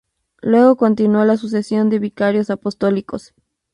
Luego continuó la sucesión de vicarios apostólicos.